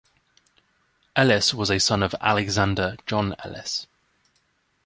Ellis was a son of Alexander John Ellis.